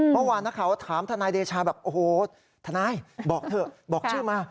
เมื่อวานนักข่าวถามทนายเดชาแบบโอ้โหทนายบอกเถอะบอกชื่อมา